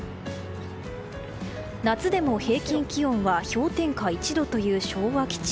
夏でも平均気温は氷点下１度という昭和基地。